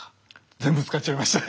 全部使っちゃいましたね。